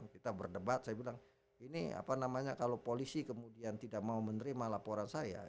kita berdebat saya bilang ini apa namanya kalau polisi kemudian tidak mau menerima laporan saya